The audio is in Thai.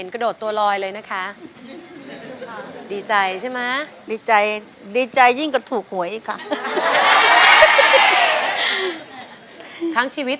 ขอบคุณครับ